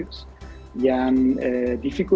ada sedikit sulit untuk bisa mengembalikan